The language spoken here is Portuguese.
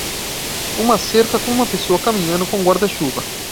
Uma cerca com uma pessoa caminhando com um guarda-chuva